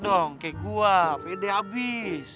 kayak gue pede abis